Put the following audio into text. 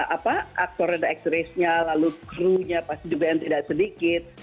apa aktor red x rays nya lalu crew nya pasti juga yang tidak sedikit